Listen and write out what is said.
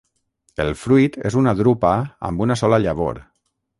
El fruit és una drupa amb una sola llavor.